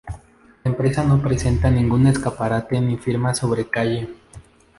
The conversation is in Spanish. La empresa no presenta ningún escaparate ni firma sobre calle.